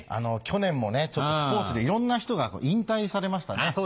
去年もスポーツでいろんな人が引退されましたね。